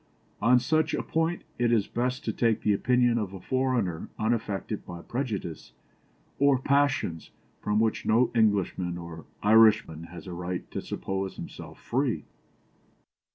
On such a point it is best to take the opinion of a foreigner unaffected by prejudices or passions from which no Englishman or Irishman has a right to suppose himself free.